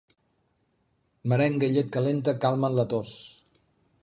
Merenga i llet calenta calmen la tos.